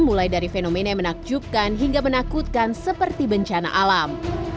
mulai dari fenomena yang menakjubkan hingga menakutkan seperti bencana alam